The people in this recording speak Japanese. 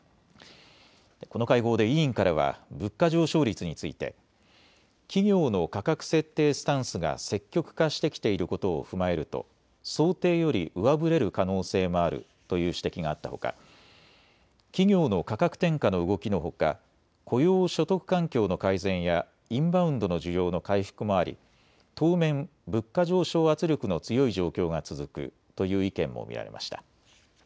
この会合で委員からは物価上昇率について企業の価格設定スタンスが積極化してきていることを踏まえると想定より上振れる可能性もあるという指摘があったほか企業の価格転嫁の動きのほか雇用・所得環境の改善やインバウンドの需要の回復もあり当面、物価上昇圧力の強い状況が続くという意見も見られました。